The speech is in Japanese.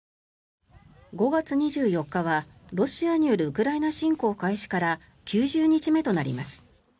５月２４日は、ロシアによるウクライナ侵攻開始から９０日目となります。